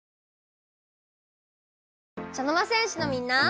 茶の間戦士のみんな！